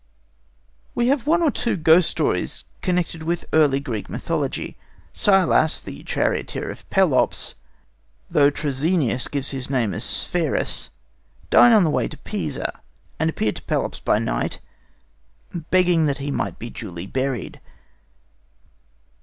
We have one or two ghost stories connected with early Greek mythology. Cillas, the charioteer of Pelops, though Troezenius gives his name as Sphærus, died on the way to Pisa, and appeared to Pelops by night, begging that he might be duly buried.